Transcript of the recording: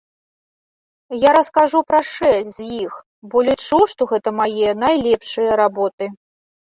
Я раскажу пра шэсць з іх, бо лічу, што гэта мае найлепшыя работы.